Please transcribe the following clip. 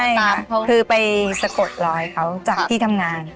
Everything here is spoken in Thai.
ใช่ครับคือไปสะกดรอยเขาจากที่ทำงาน